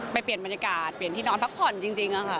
เปลี่ยนบรรยากาศเปลี่ยนที่นอนพักผ่อนจริงค่ะ